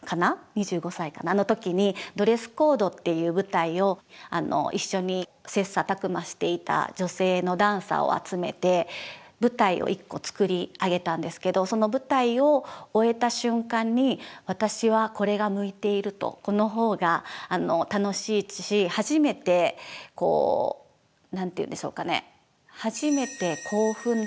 ２５歳かなの時にＤＲＥＳＳＣＯＤＥっていう舞台を一緒に切磋琢磨していた女性のダンサーを集めて舞台を１個作り上げたんですけどその舞台を終えた瞬間にこのほうが楽しいし初めてこう何て言うんでしょうかね